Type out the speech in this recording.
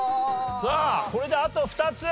さあこれであと２つ。